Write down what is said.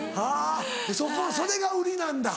そこそれが売りなんだ。